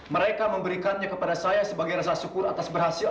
mereka memberikannya kepada saya sebagai rasa syukur atas berhasil